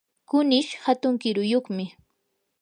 kunish hatun kiruyuqmi.